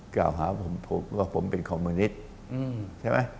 กล่าวเขาว่าผมเป็นคอมเมอร์นิสค์